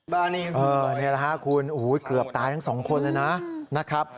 บ้านี้คืออ๋อนี่แหละครับคุณโอ้โฮเกือบตายทั้งสองคนเลยนะครับ